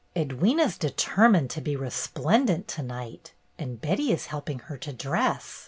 "Edwyna 's determined to be resplendent to night, and Betty is helping her to dress.